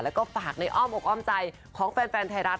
แล้วก็ฝากในอ้อมอกอ้อมใจของแฟนไทยรัฐ